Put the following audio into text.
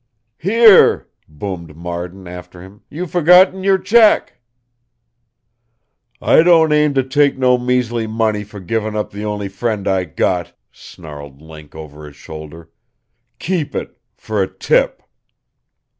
"Here!" boomed Marden after him. "You've forgotten your check." "I don't aim to take no measly money fer givin' up the only friend I got!" snarled Link over his shoulder. "Keep it fer a tip!"